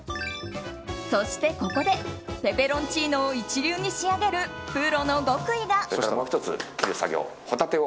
そして、ここでペペロンチーノを一流に仕上げるプロの極意が。